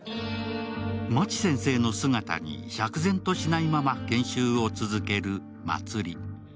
マチ先生の姿に釈然としないまま研修を続ける茉莉。